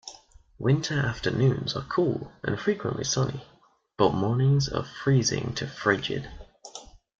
Winter afternoons are cool and frequently sunny, but mornings are freezing to frigid.